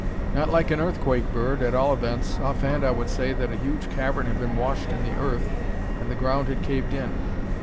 "Not like an earthquake, Bird, at all events. Offhand I would say that a huge cavern had been washed in the earth and the ground had caved in."